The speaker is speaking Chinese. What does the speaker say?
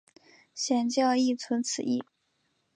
显教亦存此义。